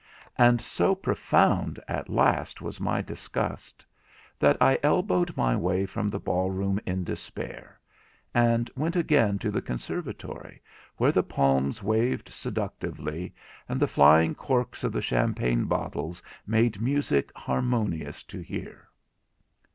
And so profound at last was my disgust that I elbowed my way from the ball room in despair; and went again to the conservatory where the palms waved seductively, and the flying corks of the champagne bottles made music harmonious to hear.